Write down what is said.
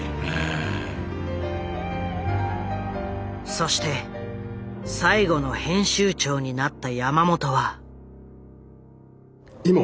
そして最後の編集長になった山本は。